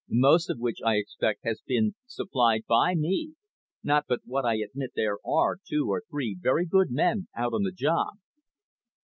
"Most of which, I expect, has been supplied by me, not but what I admit there are two or three very good men out on the job."